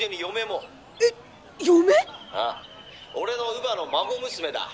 「ああ俺の乳母の孫娘だ。